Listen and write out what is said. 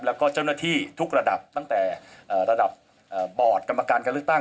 แล้วก็เจ้าหน้าที่ทุกระดับตั้งแต่ระดับบอร์ดกรรมการการเลือกตั้ง